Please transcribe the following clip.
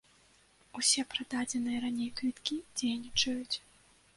Усе прададзеныя раней квіткі дзейнічаюць.